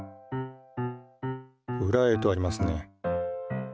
「ウラへ」とありますね。